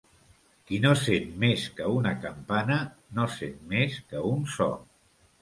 Qui no sent més que una campana, no sent més que un so.